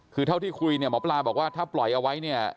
คือเท่าที่คุยเนี่ยหมอปลาบอกว่าถ้าปล่อยเอาไว้เนี่ย